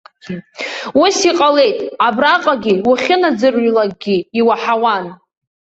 Ус иҟалеит, абраҟагьы, уахьынаӡырҩлакгьы иуаҳауан.